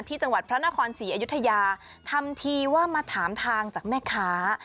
จังหวัดพระนครศรีอยุธยาทำทีว่ามาถามทางจากแม่ค้า